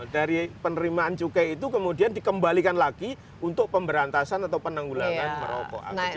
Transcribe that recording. dari penerimaan cukai itu kemudian dikembalikan lagi untuk pemberantasan atau penanggulangan merokok